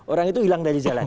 orang itu hilang dari jalan